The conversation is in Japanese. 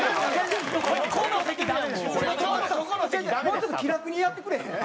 もうちょっと気楽にやってくれへん？